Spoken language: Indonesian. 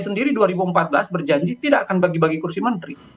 sendiri dua ribu empat belas berjanji tidak akan bagi bagi kursi menteri